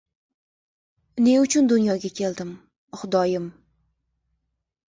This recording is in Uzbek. Ne uchun dunyoga keldim, Xudoyim?!